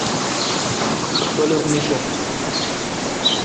بلب نیݭہ